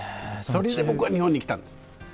それで僕は日本に来たんです。